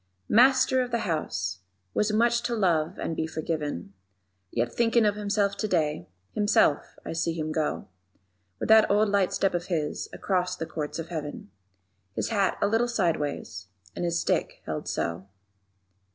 _Master of the House, with much to love and be forgiven, _ Yet, thinkin' of Himself to day Himself I see him go With that old light step of his, across the Courts of Heaven, _His hat a little sideways and his stick held so.